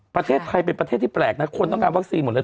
ประเทศไทยเป็นประเทศที่แปลกนะคนต้องการวัคซีนหมดเลย